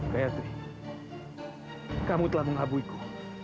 gayatri kamu telah mengabui ku